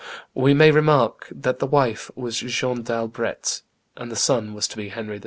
We may remark that the wife was Jeanne d'Albret, and the son was to be Henry IV.